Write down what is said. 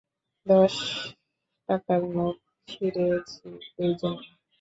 দশ টাকার নোট ছিড়েছি, এই জন্য?